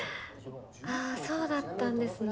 あそうだったんですね。